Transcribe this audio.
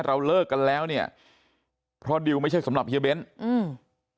เราเลิกกันแล้วเนี่ยเพราะดิวไม่ใช่สำหรับเฮียเบ้นอืม